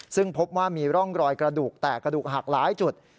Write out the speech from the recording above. ซึ่งพบว่ามีร่องรอยกระดูกแตกกระดูกหักหลายจุด